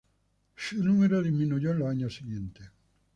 Su número disminuyó en los años siguientes.